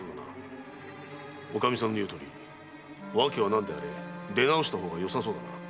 言うとおりに訳は何であれ出直した方がよさそうだな。